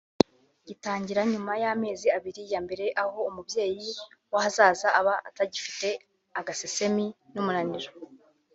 gitangira nyuma y’amezi abiri ya mbere aho umubyeyi w’ahazaza aba atagifite agaseseme n’umunaniro